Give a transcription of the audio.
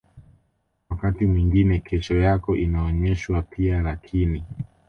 wakati mwingine kesho yako inaonyeshwa pia Lakini